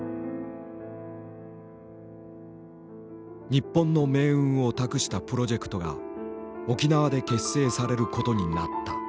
日本の命運を託したプロジェクトが沖縄で結成されることになった。